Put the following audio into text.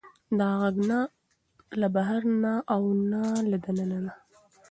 دا غږ نه له بهر نه و او نه له دننه نه.